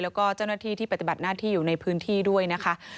แล้วก็เจ้าหน้าที่ที่ปฏิบัติหน้าที่อยู่ในพื้นที่ด้วยนะคะ